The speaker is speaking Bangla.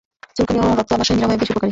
চুলকানি ও রক্ত আমাশয় নিরাময়ে বেশ উপকারী।